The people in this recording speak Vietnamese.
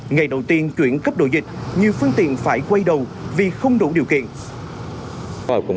ngày đầu tiên chuyển cấp độ dịch nhiều phương tiện phải quay đầu vì không đủ điều kiện